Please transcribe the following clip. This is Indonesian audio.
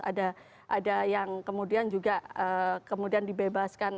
ada yang kemudian juga kemudian dibebaskan